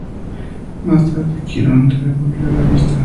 Más tarde, Quirón le devolvió la vista.